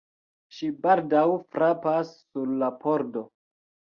Ŝi baldaŭ frapas sur la pordo.